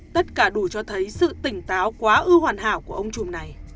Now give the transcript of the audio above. tất cả đủ cho thấy sự tỉnh táo quá ư hoàn hảo của ông trùm